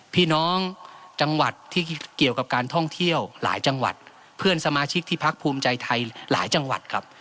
พี่น้องจังหวัดที่เกี่ยวกับการท่องเที่ยวหลายจังหวัดเพื่อนสมาชิกที่พักภูมิใจไทยหลายจังหวัดครับ